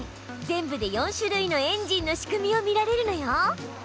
全部で４種類のエンジンの仕組みを見られるのよ。